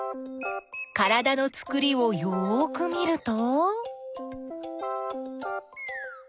からだのつくりをよく見ると？